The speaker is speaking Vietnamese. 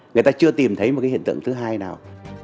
người ta chưa tìm thấy một cái hiện tượng thứ hai nào